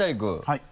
はい。